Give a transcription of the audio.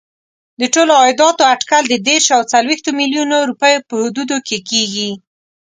د ټولو عایداتو اټکل د دېرشو او څلوېښتو میلیونو روپیو په حدودو کې کېږي.